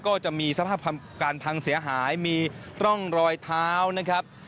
ก็จะมีสภาพการพังเสียหายมีร่องรอยเท้านะครับ